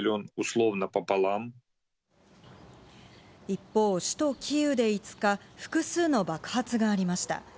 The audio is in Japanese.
一方、首都キーウで５日、複数の爆発がありました。